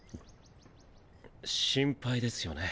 心配ですよね。